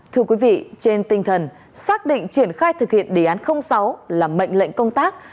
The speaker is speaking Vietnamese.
thưa quý vị trên tinh thần xác định triển khai thực hiện đề án sáu là mệnh lệnh công tác